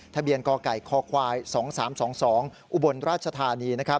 ทะเบียนกกค๒๓๒๒อุบลราชธานี